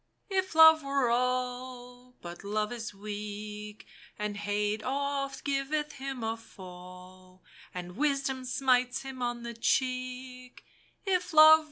" If Love were all ! But Love is weak, And Hate oft giveth him a fall, And Wisdom smites him on the cheek, If Love were all